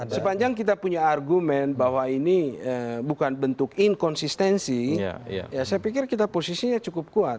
sepanjang kita punya argumen bahwa ini bukan bentuk inkonsistensi ya saya pikir kita posisinya cukup kuat